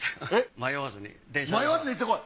迷わずいってこい？